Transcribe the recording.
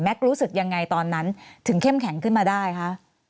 รู้สึกยังไงตอนนั้นถึงเข้มแข็งขึ้นมาได้คะ